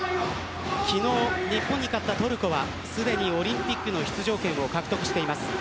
昨日、日本に勝ったトルコはすでにオリンピックの出場権を獲得しています。